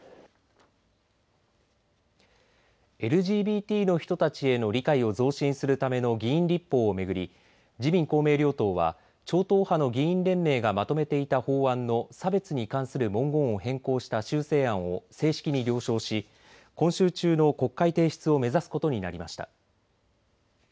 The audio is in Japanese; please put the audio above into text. ＬＧＢＴの人たちへの理解を増進するための議員立法を巡り自民・公明両党は超党派の議員連盟がまとめていた法案の差別に関する文言を変更した修正案を正式に了承し今週中の国会提出を目指すことになりました。